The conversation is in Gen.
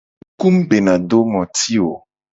Nukuku mu bena do ngoti o.